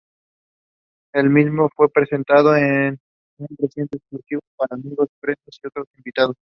El mismo fue presentado en un recital exclusivo para amigos, prensa y otros invitados.